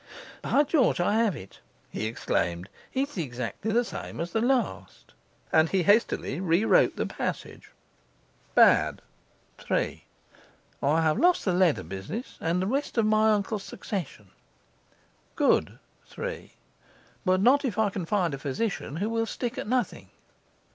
And by George, I have it!' he exclaimed; 'it's exactly the same as the last!' And he hastily re wrote the passage: Bad. Good. 3. I have lost the leather business and the rest of my uncle's succession. 3. But not if I can find a physician who will stick at nothing.